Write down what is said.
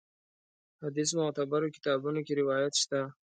حدیث معتبرو کتابونو کې روایت شته.